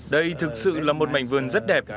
đây thực sự là một mảnh vườn rất đẹp